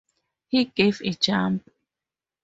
He gave a jump.